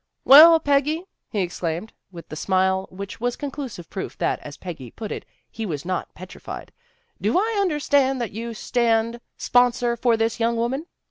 " Well, Peggy," he exclaimed, with the smile which was conclusive proof that, as Peggy put it, he was not " petrified." " Do I understand that you stand sponsor for this young woman?